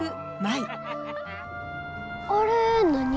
あれ何？